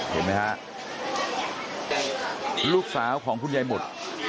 เห็นไหมฮะลูกสาวของคุณยายหมด